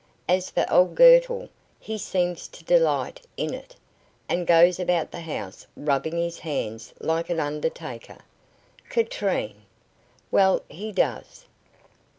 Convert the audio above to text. As for old Girtle, he seems to delight in it, and goes about the house rubbing his hands like an undertaker." "Katrine!" "Well, he does.